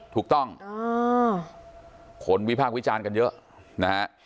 ถูกต้องอ่าขนวิภาควิจารณ์กันเยอะนะฮะ